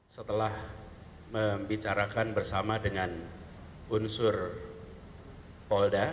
setelah membicarakan bersama dengan unsur polda